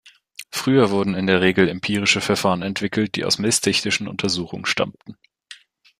Früher wurden in der Regel empirische Verfahren entwickelt, die aus messtechnischen Untersuchungen stammten.